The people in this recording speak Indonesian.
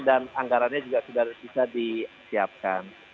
dan anggarannya juga sudah bisa disiapkan